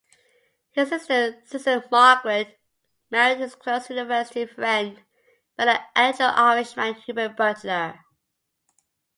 His sister, Susan Margaret, married his close university friend, fellow Anglo-Irishman Hubert Butler.